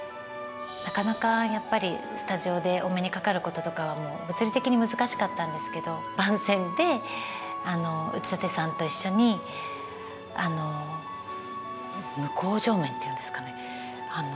なかなかやっぱりスタジオでお目にかかることとかはもう物理的に難しかったんですけど番宣で内館さんと一緒に向こう正面というんですかね